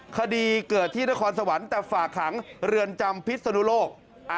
คดีเกิดที่นครสวรรค์แต่ฝากขังเรือนจำพิษนุโลก